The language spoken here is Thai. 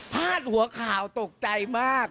หัวข่าวตกใจมาก